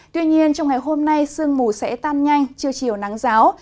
tuy nhiên trong ngày hôm nay sương mù sẽ tan nhanh chưa chiều nắng giáo